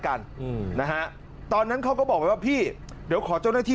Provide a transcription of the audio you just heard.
กันอืมนะฮะตอนนั้นเขาก็บอกไปว่าพี่เดี๋ยวขอเจ้าหน้าที่